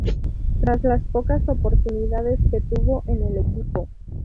Tras las pocas oportunidades que tuvo en el equipo.